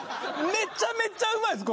めちゃめちゃうまいです